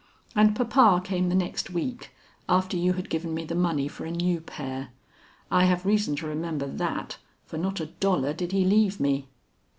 "And papa came the next week, after you had given me the money for a new pair. I have reason to remember that, for not a dollar did he leave me."